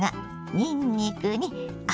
にんにくに赤